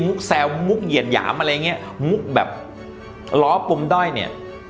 แซวมุกเหยียดหยามอะไรอย่างเงี้ยมุกแบบล้อปมด้อยเนี่ย